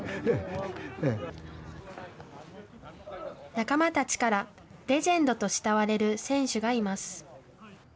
仲間たちからレジェンドと慕われる選手がいます。